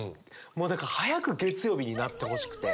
もうだから早く月曜日になってほしくて。